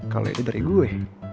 kalau itu dari gue